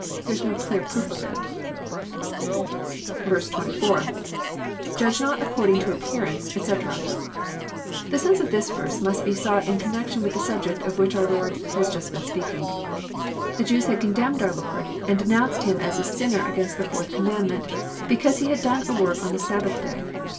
There Is no clear proof of it. 2A.^lJudge not according to the appearance j etc.'] The sense of this verse mutst be sought in connection with the subject of which our lord has just been speaking. The Jews had condemned our Lord and denounced Him as a sinner against the fourth command mei}t, because He had done a work on the Sabbath day.